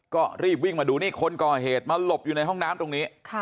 ก็รีบวิ่งมาดูนี่คนก่อเหตุมาหลบอยู่ในห้องน้ำตรงนี้